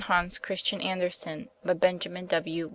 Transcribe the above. HANS CHRISTIAN ANDERSEN (1805 1875) BY BENJAMIN W.